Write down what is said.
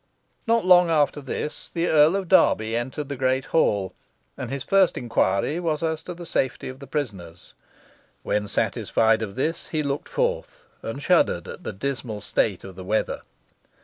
Not long after this, the Earl of Derby entered the great hall, and his first inquiry was as to the safety of the prisoners. When satisfied of this, he looked forth, and shuddered at the dismal state of the weather.